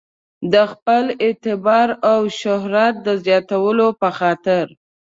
د خپل اعتبار او شهرت د زیاتولو په خاطر.